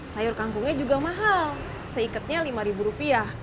sayur kangkungnya juga mahal seikatnya lima ribu rupiah